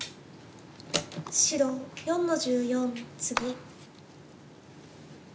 白４の十四ツギ。